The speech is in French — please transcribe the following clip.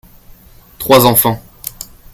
Trois enfants.